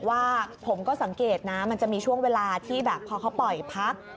ว่าผมก็สังเกตนะมันจะมีช่วงเวลาที่แบบพอเค้าปล่อยทักคือปล่อยให้